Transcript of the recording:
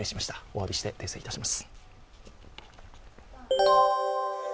おわびして訂正いたします。